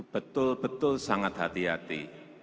betul betul sangat hati hati